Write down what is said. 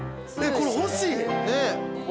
これ欲しい！